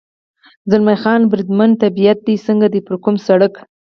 زلمی خان: بریدمنه، طبیعت دې څنګه دی؟ پر کوم سړک.